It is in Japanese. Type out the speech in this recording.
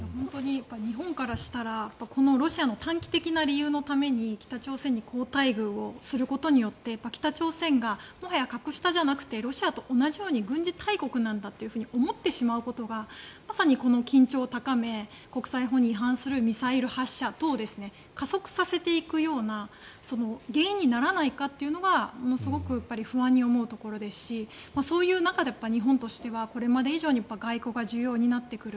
日本からしたらロシアの短期的な理由のために北朝鮮に好待遇をすることで、北朝鮮がもはや格下じゃなくてロシアと同じように軍事大国なんだと思ってしまうことがまさにこの緊張を高め国際法に違反するミサイル発射等を加速させていくような原因にならないかというのがすごく不安に思うところですしそういう中で日本としてはこれまで以上に外交が重要になってくる。